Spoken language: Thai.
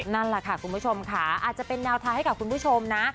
นั่นแหละค่ะคุณผู้ชมค่ะอาจจะเป็นแนวทางให้กับคุณผู้ชมนะ